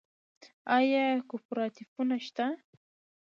آیا کوپراتیفونه شته؟